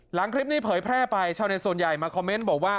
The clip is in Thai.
หลังคลิปนี้เผยแพร่ไปชาวเน็ตส่วนใหญ่มาคอมเมนต์บอกว่า